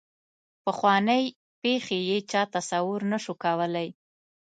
پخوانۍ پېښې یې چا تصور نه شو کولای.